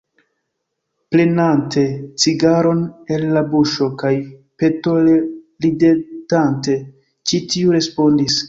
Prenante cigaron el la buŝo kaj petole ridetante, ĉi tiu respondis: